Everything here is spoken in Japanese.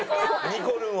にこるんを